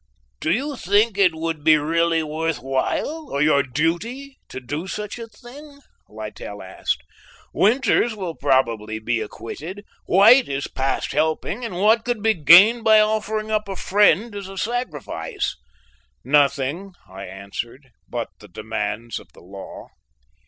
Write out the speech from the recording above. "Do you think it would be really worth while or your duty, to do such a thing?" Littell asked. "Winters will probably be acquitted; White is past helping, and what could be gained by offering up a friend as a sacrifice?" "Nothing," I answered, "but the demands of the law."